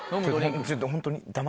ちょっとホントに。